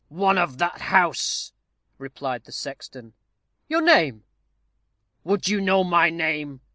"One of that house," replied the sexton. "Your name?" "Would you know my name?"